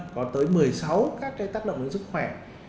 có tới một mươi sáu các tác động đến sức khỏe